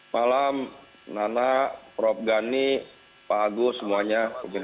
malam nana prof gani pak agus semuanya